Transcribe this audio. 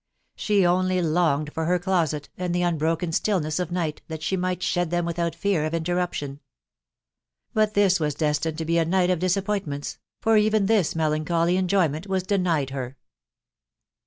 She only longed for her closet, and' the unbroken stillness of night, that she might shed them without /ear at interruption. But this was destined to be a night of disappointments, for even this melancholy enjoyment was1 denied her.